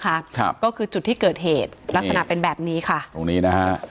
ครับก็คือจุดที่เกิดเหตุลักษณะเป็นแบบนี้ค่ะตรงนี้นะฮะ